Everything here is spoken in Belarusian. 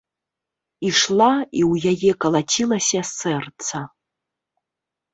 Ішла, і ў яе калацілася сэрца.